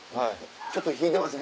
ちょっと引いてません？